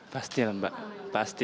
pasti lah mbak pasti